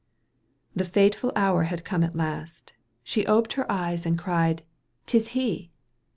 The fatal hour had come at last — She oped her eyes and cried : 'tis he